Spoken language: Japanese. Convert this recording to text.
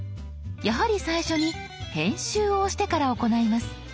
やはり最初に「編集」を押してから行います。